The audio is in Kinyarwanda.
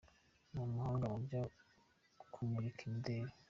Ni umuhanga mu byo kumurika imideli